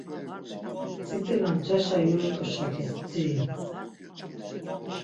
Tzitzila ncaşa yulut̆u-şakis bdziri.